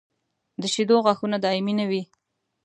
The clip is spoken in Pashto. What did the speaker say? د شېدو غاښونه دایمي نه وي.